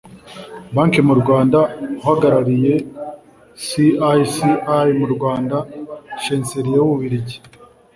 bank mu rwanda uhagarariye cicr mu rwanda chancelier w ububiligi